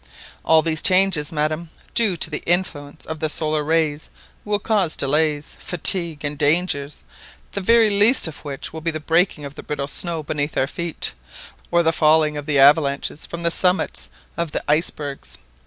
All these changes, madam, due to the influence of the solar rays, will cause delays, fatigue, and dangers, the very least of which will be the breaking of the brittle snow beneath our feet, or the falling of the avalanches from the summits of the icebergs.